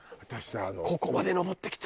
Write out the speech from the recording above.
ここまで上ってきたぞ！